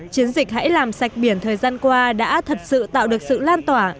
chiến dịch hãy làm sạch biển thời gian qua đã thật sự tạo được sự lan tỏa